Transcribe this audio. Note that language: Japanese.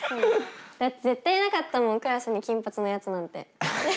絶対いなかったもんクラスに金髪のやつなんて。